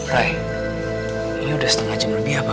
rai ini udah setengah jam lebih abah